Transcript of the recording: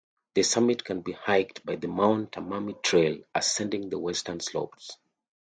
The summit can be hiked by the Mount Tammany Trail ascending the western slopes.